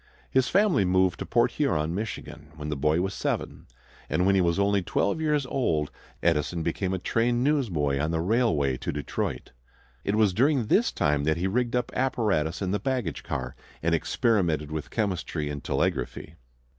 His family moved to Port Huron, Michigan, when the boy was seven, and when he was only twelve years old Edison became a train newsboy on the railway to Detroit. It was during this time that he rigged up apparatus in the baggage car and experimented with chemistry and telegraphy.